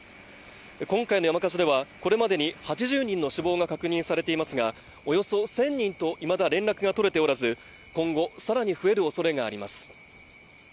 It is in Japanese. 今回の山火事ではこれまでに８０人の死亡が確認されていますがおよそ１０００人といまだ連絡が取れておらず、今後、更に増えるおそれがあります